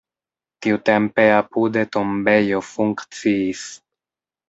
Tiutempe apude tombejo funkciis.